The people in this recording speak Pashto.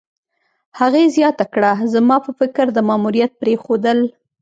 هغې زیاته کړه: "زما په فکر، د ماموریت پرېښودل